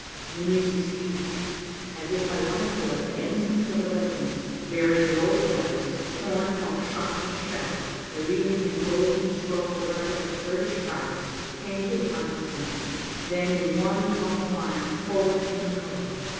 The music ceased. As if by one accord, the ensigns of the regiments, bearing the old flags, torn by shot and shell, revealing in golden scroll the record of British prowess, came to the front and centre. Then, in one long line, forward came the colors.